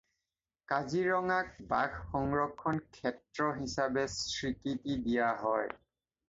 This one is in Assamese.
কাজিৰঙাক বাঘ সংৰক্ষণ ক্ষেত্ৰ হিচাপে স্বীকৃতি দিয়া হয়।